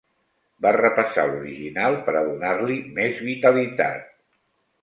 Va repassar l’original per a donar-li més vitalitat.